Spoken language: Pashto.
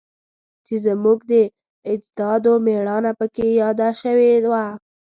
چې زموږ د اجدادو میړانه پکې یاده شوی وه